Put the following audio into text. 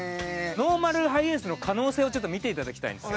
ノーマルハイエースの可能性を見ていただきたいんですよ。